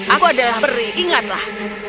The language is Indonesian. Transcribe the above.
aku adalah perih ingatlah